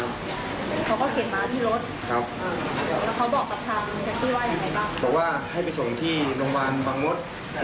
อาที่บอกว่าให้ไปส่งที่โรงพยาบาลปางมด